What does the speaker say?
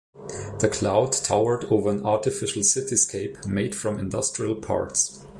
The cloud towered over an artificial cityscape made from industrial parts.